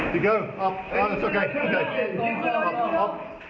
คุณค่ะคุณค่ะคุณค่ะ